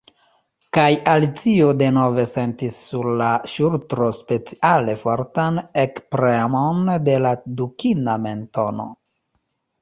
Kaj Alicio denove sentis sur la ŝultro speciale fortan ekpremon de la dukina mentono.